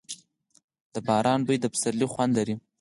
د باران بوی د پسرلي خوند لري.